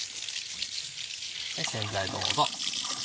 洗剤どうぞ。